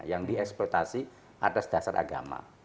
yang dieksploitasi atas dasar agama